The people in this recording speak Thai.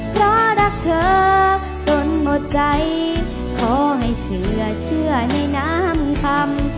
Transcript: เพราะรักเธอจนหมดใจขอให้เชื่อเชื่อในน้ำคำ